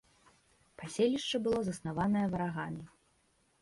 Паселішча было заснаванае варагамі.